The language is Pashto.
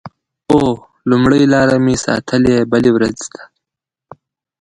اوه…لومړۍ لاره مې ساتلې بلې ورځ ته